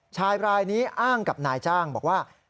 ชายรายนี้อ้างกับนายจ้างบอกว่า